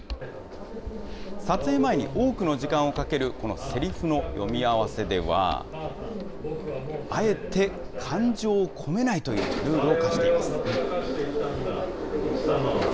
撮影前に多くの時間をかける、このセリフの読み合わせでは、あえて、感情を込めないというルールを課しています。